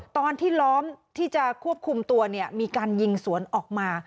ตอนที่ล้อมที่จะควบคุมตัวเนี่ยมีการยิงสวนออกมา